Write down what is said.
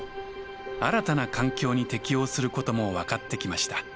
新たな環境に適応することも分かってきました。